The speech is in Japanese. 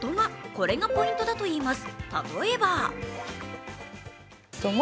これがポイントだといいます。